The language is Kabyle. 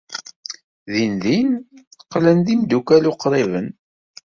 Dindin qqlen d imeddukal uqriben.